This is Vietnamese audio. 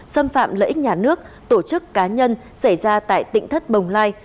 xâm phạm lợi ích nhà nước tổ chức cá nhân xảy ra tại tỉnh thất bồng lai